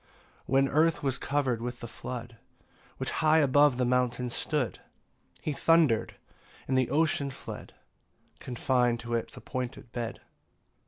5 When earth was cover'd with the flood, Which high above the mountains stood, He thunder'd, and the ocean fled, Confin'd to its appointed bed.